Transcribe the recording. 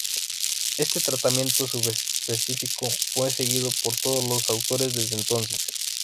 Este tratamiento subespecífico fue seguido por todos los autores desde entonces.